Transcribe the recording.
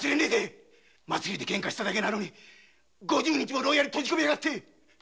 祭りで喧嘩しただけなのに五十日も牢屋に閉じこめやがって。